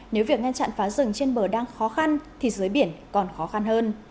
nếu việc ngăn chặn phá rừng trên bờ đang khó khăn thì dưới biển còn khó khăn hơn